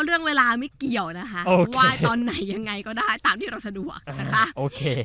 เรื่องเวลาไม่เกี่ยวนะคะว่ายตอนไหนอย่างไรก็ได้ตามที่รักษาดวก